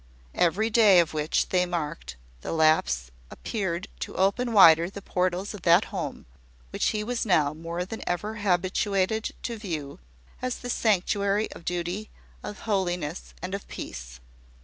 Every day of which they marked the lapse appeared to open wider the portals of that home which he was now more than ever habituated to view as the sanctuary of duty, of holiness, and of peace.